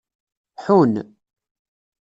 Ḥun.